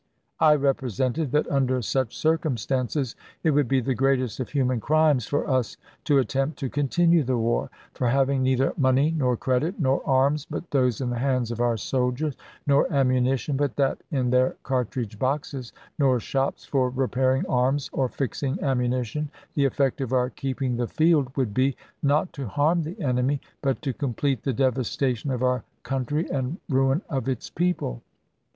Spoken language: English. I represented that under such cir cumstances it would be the greatest of human crimes for us to attempt to continue the war ; for, having neither money nor credit, nor arms but those in the hands of our soldiers, nor ammunition but that in their cartridge boxes, nor shops for repairing arms or fixing ammunition, the effect of our keeping the field would be, not to harm the enemy, but to complete the devastation of our country and ruin of its people.